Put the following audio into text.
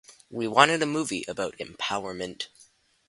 We wanted a movie about empowerment.